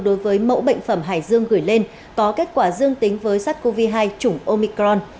đối với mẫu bệnh phẩm hải dương gửi lên có kết quả dương tính với sars cov hai chủng omicron